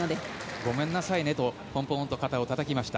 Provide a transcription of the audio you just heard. ごめんなさいねと肩をたたきました。